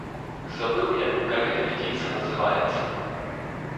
Забыл я, как эта птица называется.